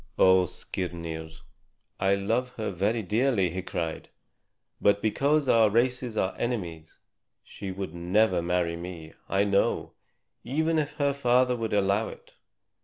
"Oh, Skirnir, I love her very dearly," he cried; "but because our races are enemies she would never marry me, I know, even if her father would allow it.